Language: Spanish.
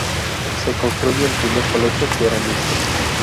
Se construye el primer colegio que era mixto.